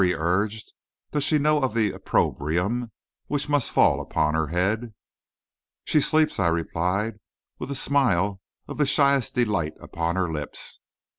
he urged. "Does she know of the opprobrium which must fall upon her head?" "She sleeps," I replied, "with a smile of the shyest delight upon her lips.